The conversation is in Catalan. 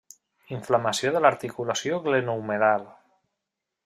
Inflamació de l'articulació glenohumeral.